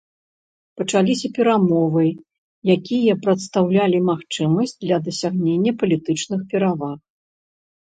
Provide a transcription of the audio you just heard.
Пачаліся перамовы, якія прадастаўлялі магчымасць для дасягненняў палітычных пераваг.